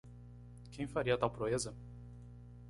Quem faria tal proeza